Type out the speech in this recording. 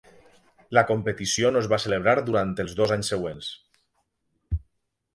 La competició no es va celebrar durant els dos anys següents.